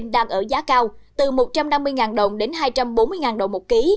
đang ở giá cao từ một trăm năm mươi đồng đến hai trăm bốn mươi đồng một ký